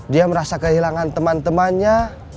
dia merasa kehilangan teman temannya